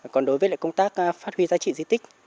còn đối với công tác phát huy giá trị di tích